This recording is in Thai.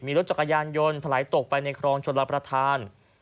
รถจักรยานยนต์ถลายตกไปในครองชนรับประทาน